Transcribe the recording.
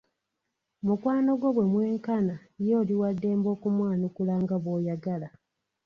Mukwano gwo bwe mwenkana ye oli wa ddembe okumwanukula nga bw'oyagala.